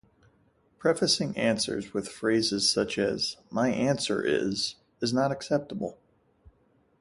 Prefacing answers with phrases such as "My answer is" is not acceptable.